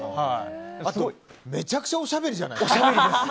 あと、めちゃくちゃおしゃべりじゃない？